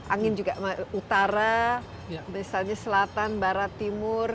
angin juga utara misalnya selatan barat timur